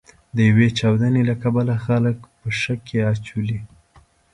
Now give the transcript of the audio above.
د یوې چاودنې له کبله خلک په شک کې اچولي.